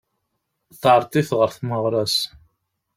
Teεreḍ-it ɣer tmeɣra-s.